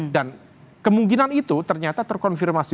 dan kemungkinan itu ternyata terkonfirmasi